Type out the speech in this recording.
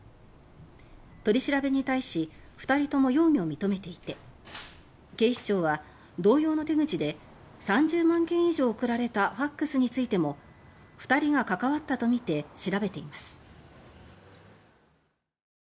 取り調べに対し２人とも容疑を認めていて警視庁は、同様の手口で３０万件以上送られたファックスについても２人が関わったとみて調べています。